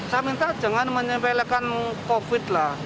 saya minta jangan menyebelekan covid sembilan belas